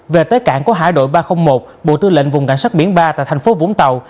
về tới cảng của hải đội ba trăm linh một bộ tư lệnh vùng cảnh sát biển ba tại thành phố vũng tàu